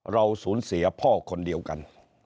เราสูญเสียพ่อคนเดียวกัน